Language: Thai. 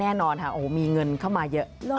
แน่นอนค่ะโอ้โหมีเงินเข้ามาเยอะ